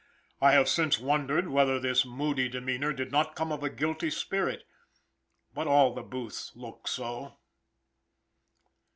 I have since wondered whether this moody demeanor did not come of a guilty spirit, but all the Booths look so.